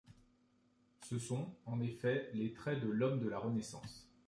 Ce sont, en effet, les traits de l’Homme de la Renaissance.